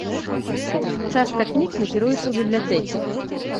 Частка кніг накіруецца ў бібліятэкі.